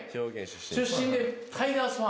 出身でタイガースファン。